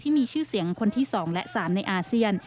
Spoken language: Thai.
ที่มีชื่อเสียงคนที่๒และ๓ในอาเซียน